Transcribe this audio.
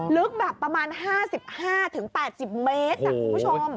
ลึกแบบประมาณ๕๕๘๐เมตรคุณผู้ชม